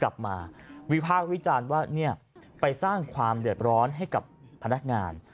กลับมาวิพากษ์วิจารณ์ว่าไปสร้างความเดือดร้อนให้กับพนักงาน